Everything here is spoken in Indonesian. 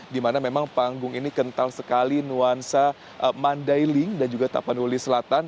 dimana memang panggung ini kental sekali nuansa mandailing dan juga tapanuli selatan